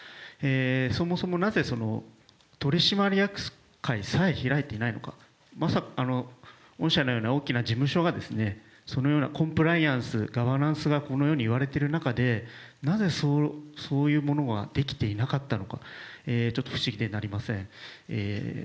そもそもなぜ、取締役会さえ開いていないのか、御社のような大きな事務所が、そのようなコンプライアンス、ガバナンスが言われている中でなぜ、そういうものができていなかったのか、ちょっと不思議でなりません。